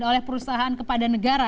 oleh perusahaan kepada negara